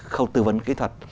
khâu tư vấn kỹ thuật